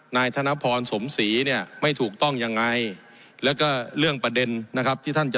นายธนพรสมศรีเนี่ยไม่ถูกต้องยังไงแล้วก็เรื่องประเด็นนะครับที่ท่านจะ